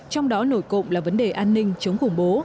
trong đó nổi cộng là vấn đề an ninh chống khủng bố